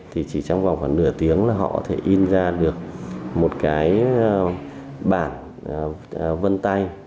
thì chỉ trong vòng khoảng nửa tiếng là họ có thể in ra được một cái bản vân tay